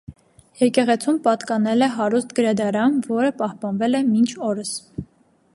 Եկեղեցուն պատկանել է հարուստ գրադարան, որը պահպանվել է մինչ օրս։